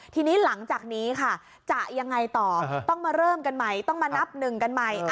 ทีนี้หลังจากนี้ค่ะจะยังไงต่อต้องมาเริ่มกันใหม่ต้องมานับหนึ่งกันใหม่